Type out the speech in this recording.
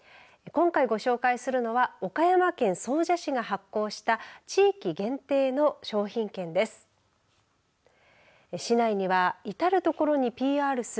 今回ご紹介するのは岡山県総社市が発行した地域限定の商品券です。